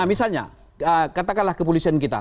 misalnya katakanlah kepolisian kita